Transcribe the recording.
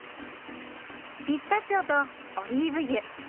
ピスタチオとオリーブ油。